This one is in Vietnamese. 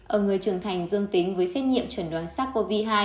ở người trưởng thành dương tính với xét nghiệm chuẩn đoán sars cov hai